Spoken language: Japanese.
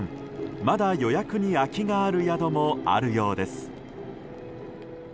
まだ予約に空きがある宿もあるようです。